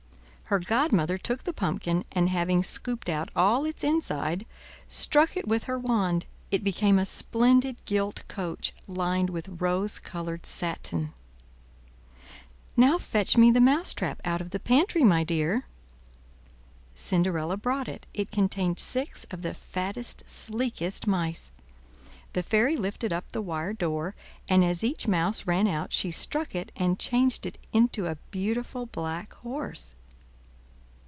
Her godmother took the pumpkin, and having scooped out all its inside, struck it with her wand; it became a splendid gilt coach, lined with rose colored satin. "Now fetch me the mousetrap out of the pantry, my dear." Cinderella brought it; it contained six of the fattest, sleekest mice. The fairy lifted up the wire door, and as each mouse ran out she struck it and changed it into a beautiful black horse.